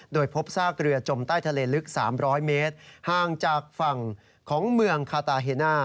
โดยพบซากเรือจมใต้ทะเลลึก๓๐๐เมตรห่างจากฝั่งของเมืองคาตาเฮน่า